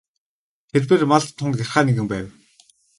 Тэрбээр малд тун гярхай нэгэн байв.